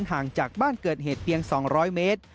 ห่างจากบ้านเกิดเหตุเพียง๒๐๐เมตร